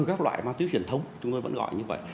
các loại ma túy truyền thống chúng tôi vẫn gọi như vậy